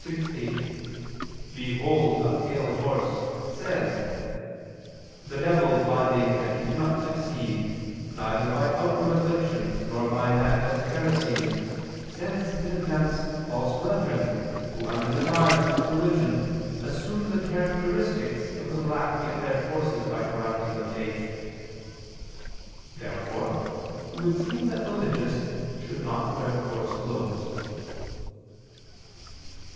6:8, "Behold a pale horse," says: "The devil finding that he cannot succeed, neither by outward afflictions nor by manifest heresies, sends in advance false brethren, who under the guise of religion assume the characteristics of the black and red horses by corrupting the faith." Therefore it would seem that religious should not wear coarse clothes.